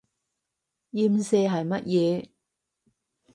鹽蛇係乜嘢？